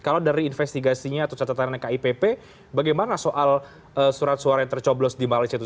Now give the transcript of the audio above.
kalau dari investigasinya atau catatan kipp bagaimana soal surat suara yang tercoblos di malaysia itu